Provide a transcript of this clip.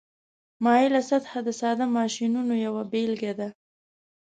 مایله سطحه د ساده ماشینونو یوه بیلګه ده.